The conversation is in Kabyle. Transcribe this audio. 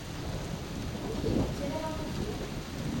Amek ihi i tettiliḍ a Maziɣ?